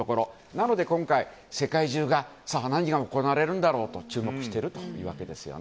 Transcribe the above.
なので今回、世界中がさあ何が行われるんだろうと注目しているというわけです。